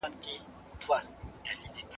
که ټولګی ګرم وي نو خوب راوړونکی کیږي.